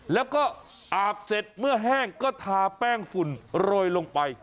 แล้วก็อาบเสร็จเมื่อแห้งก็ทาแป้งฝุ่นโรยลงไป